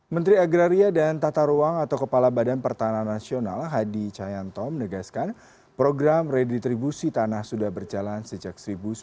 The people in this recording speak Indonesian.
menteri agraria dan tata ruang atau kepala badan pertahanan nasional hadi cahyanto menegaskan program reditribusi tanah sudah berjalan sejak seribu sembilan ratus sembilan puluh